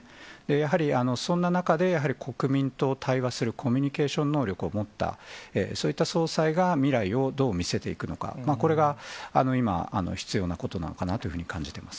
やはりそんな中で、やはり国民と対話するコミュニケーション能力を持った、そういった総裁が未来をどう見せていくのか、これが今、必要なことなのかなというふうに感じています。